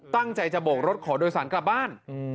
ตั้งใจจะโบกรถขอโดยสารกลับบ้าน